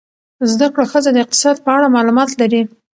زده کړه ښځه د اقتصاد په اړه معلومات لري.